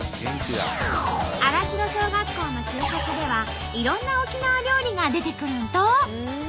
新城小学校の給食ではいろんな沖縄料理が出てくるんと。